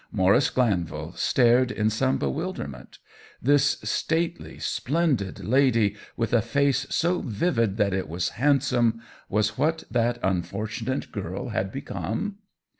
Maurice Glan vil stared in some bewilderment : this state ly, splendid lady, with a face so vivid that it was handsome, was what that unfortunate girl had become?